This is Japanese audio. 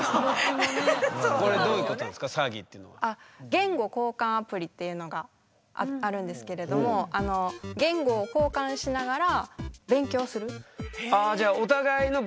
言語交換アプリっていうのがあるんですけれども言語を交換しながら勉強する。